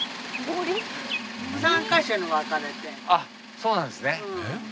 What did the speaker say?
そうなんですね。